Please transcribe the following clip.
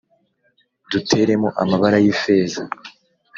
Duteremo amabara y’ifeza